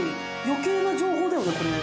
余計な情報だよねこれ。